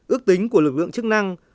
ước tính của lực lượng chức năng